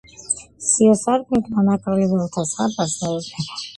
სიო, სარკმლით მონაქროლი, ველთა ზღაპარს მეუბნება